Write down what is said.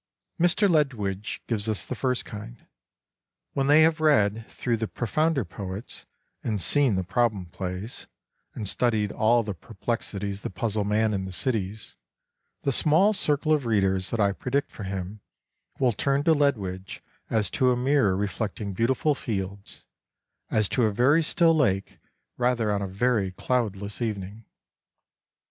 Mr. Ledwidge gives us the first kind. When they have read through the pro founder poets, and seen the problem plays, and studied all the per plexities that puzzle man in the cities, the small circle of readers that I predict for him will turn to Ledwidge as to a mirror reflecting beautiful fields, as to a very still lake rather on a very cloudless evening.